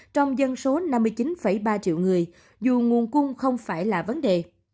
trong dân số năm mươi chín ba triệu người dù nguồn cung không phải là vấn đề